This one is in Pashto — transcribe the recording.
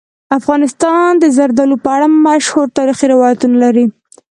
افغانستان د زردالو په اړه مشهور تاریخی روایتونه لري.